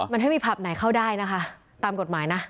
มันไม่มีผับไหนเข้าได้นะคะตามกฎหมายนะ